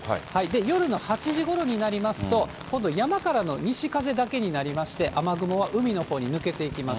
夜の８時ごろになりますと、今度山からの西風だけになりまして、雨雲は海のほうに抜けていきます。